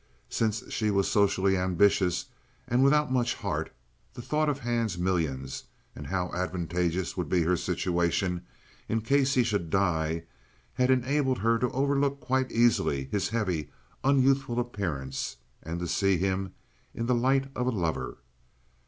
Since she was socially ambitious, and without much heart, the thought of Hand's millions, and how advantageous would be her situation in case he should die, had enabled her to overlook quite easily his heavy, unyouthful appearance and to see him in the light of a lover.